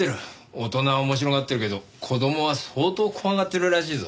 大人は面白がってるけど子供は相当怖がってるらしいぞ。